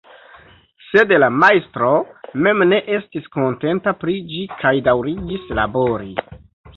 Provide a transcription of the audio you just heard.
Sed la majstro mem ne estis kontenta pri ĝi kaj daŭrigis labori.